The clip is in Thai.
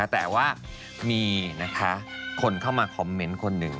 แต่ว่ามีคนเข้ามาคอมเมนต์คนหนึ่ง